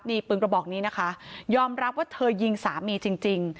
นี่ปืนกระบอกนี้นะคะยอมรับว่าเธอยิงสามีจริง